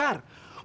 ya kira kira dia